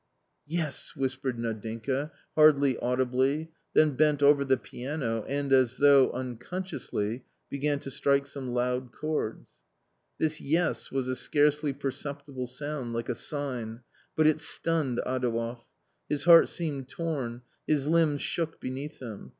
" Yes !" whispered Nadinka, hardly audibly, then bent over the piano, and, as though unconsciously, began to strike some loud chords. This yes was a scarcely perceptible sound, like a sign, but it stunned Adouev ; his heart seemed torn, his limbs shook beneath him.